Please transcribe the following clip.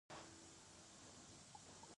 د علامه رشاد لیکنی هنر مهم دی ځکه چې آزادي غواړي.